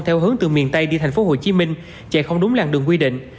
theo hướng từ miền tây đi tp hcm chạy không đúng làng đường quy định